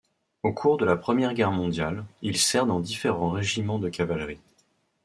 Au cours de la Première Guerre mondiale, il sert dans différents régiments de cavalerie.